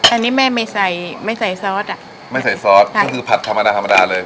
อันนี้แม่ไม่ใส่ไม่ใส่ซอสอ่ะไม่ใส่ซอสก็คือผัดธรรมดาธรรมดาเลย